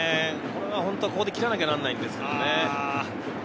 これは本当はここできらなきゃいけないんですけどね。